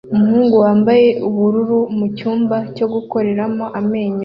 Umuhungu wambaye ubururu mucyumba cyo gukoreramo amenyo